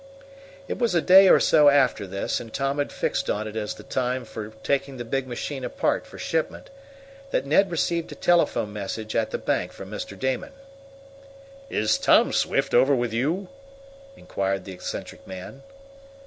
It was a day or so after this, and Tom had fixed on it as the time for taking the big machine apart for shipment, that Ned received a telephone message at the bank from Mr. Damon. "Is Tom Swift over with you?" inquired the eccentric man.